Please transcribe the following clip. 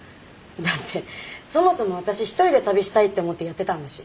だってそもそも私一人で旅したいって思ってやってたんだし。